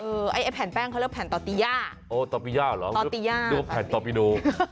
เออไอ้แผ่นแป้งเขาเรียกแผ่นตอติย่าโอ้ตอติย่าเหรอตอติย่าดูแผ่นตอบิโด